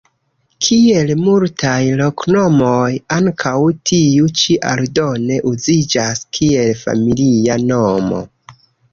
Kiel multaj loknomoj, ankaŭ tiu ĉi aldone uziĝas kiel familia nomo.